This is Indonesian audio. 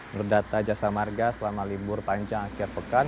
menurut data jasa marga selama libur panjang akhir pekan